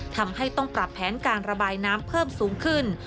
ทำให้ต้องปรับแผนการระบายน้ำเพิ่มสูงขึ้น